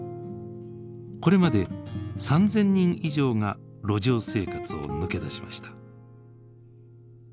これまで３，０００人以上が路上生活を抜け出しました。